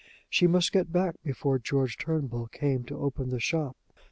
She must get back before George Turnbull came to open the shop.